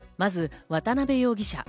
まず渡辺容疑者。